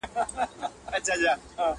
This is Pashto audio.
د دلدار د فراق غم را باندي ډېر سو٫